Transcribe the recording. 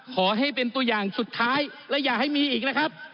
ขอให้เป็นตัวอย่างสุดท้ายและอย่าให้มีอีกนะครับ